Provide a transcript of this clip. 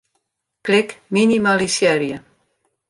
Klik Minimalisearje.